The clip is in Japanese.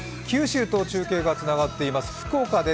九州と中継がつながっています。